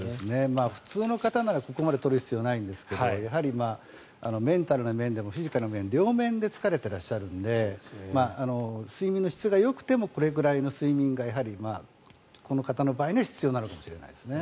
普通の方ならここまで取る必要はないんですがやはりメンタルな面でもフィジカルな面でも両面で疲れていらっしゃるので睡眠の質がよくてもこれぐらいの睡眠がこの方の場合には必要なのかもしれないですね。